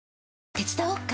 手伝おっか？